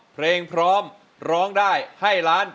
เพลงพร้อมร้องได้ให้ล้าน